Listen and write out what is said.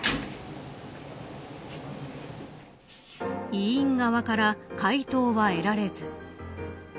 医院側から回答は得られず。